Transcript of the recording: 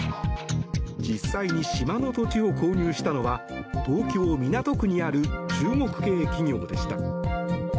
実際に島の土地を購入したのは東京・港区にある中国系企業でした。